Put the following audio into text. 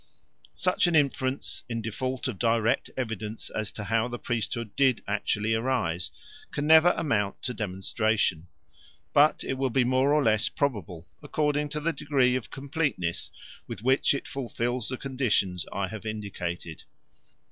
Such an inference, in default of direct evidence as to how the priesthood did actually arise, can never amount to demonstration. But it will be more or less probable according to the degree of completeness with which it fulfils the conditions I have indicated.